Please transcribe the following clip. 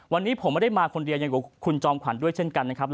วันนี้ผมไม่ได้มาคนเดียวอย่างกับคุณจอมขวัญด้วยเช่นกันนะครับ